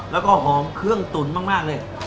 แล้วก็หอมเครื่องตุ๋นมากเลย